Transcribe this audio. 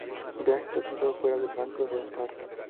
Baek está sentado afuera en el banco de un parque.